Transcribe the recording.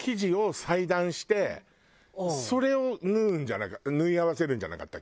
それを縫う縫い合わせるんじゃなかったっけ。